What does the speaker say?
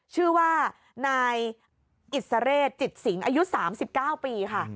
ชื่อว่านายอิสระฤทธิ์จิตศิงอายุ๓๙ปีค่ะ